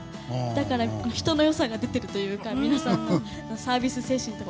だから人の良さが出てるというか皆さんのサービス精神が。